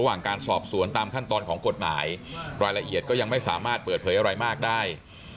การสอบสวนตามขั้นตอนของกฎหมายรายละเอียดก็ยังไม่สามารถเปิดเผยอะไรมากได้